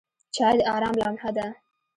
چای د آرام لمحه ده.